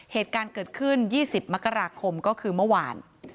เหตุการณ์เกิดขึ้น๒๐มกราคมก็คือเมื่อวาน